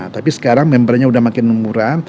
tapi sekarang membernya sudah makin murah